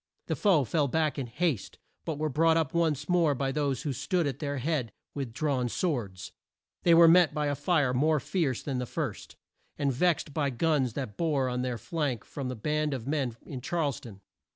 The foe fell back in haste, but were brought up once more by those who stood at their head with drawn swords. They were met by a fire more fierce than the first, and vexed by the guns that bore on their flank from the band of men in Charles town.